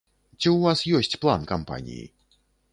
Ці ў вас ёсць план кампаніі?